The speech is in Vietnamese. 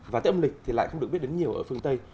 và theo âm lịch thì lại không được biết đến nhiều ở phương tây